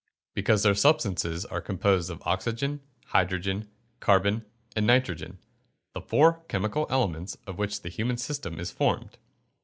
_ Because their substances are composed of oxygen, hydrogen, carbon, and nitrogen the four chemical elements of which the human system is formed.